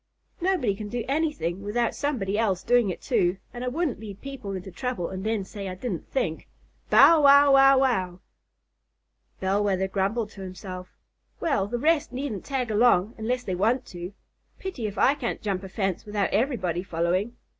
Nobody can do anything without somebody else doing it too, and I wouldn't lead people into trouble and then say I didn't think. Bow wow wow wow!" [Illustration: COLLIE AND THE BELL WETHER.] The Bell Wether grumbled to himself, "Well, the rest needn't tag along unless they want to. Pity if I can't jump a fence without everybody following."